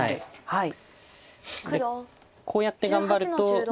はい。